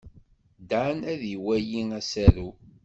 Dan ad iwali asaru.